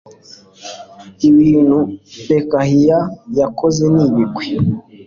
bintu pekahiya yakoze n ibigwi